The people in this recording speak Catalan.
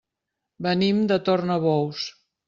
Venim de Tornabous.